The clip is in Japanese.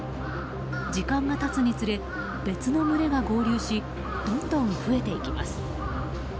時間が経つにつれ別の群れが合流しどんどん増えていきます。